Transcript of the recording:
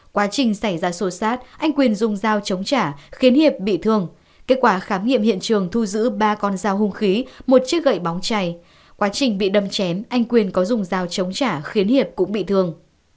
quá trình xảy ra sổ sát anh quyền dùng dao chống trả khiến hiệp bị thương kết quả khám nghiệm hiện trường thu giữ ba con dao hung khí một chiếc gậy bóng chảy quá trình bị đâm chém anh quyền có dùng dao chống trả khiến hiệp cũng bị thương